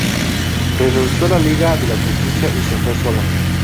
Renunció a la Liga de la Justicia, y se fue sola.